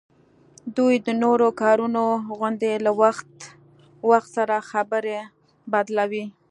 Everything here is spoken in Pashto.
دوی د نورو کارونو غوندي له وخت وخت سره خبره بدلوي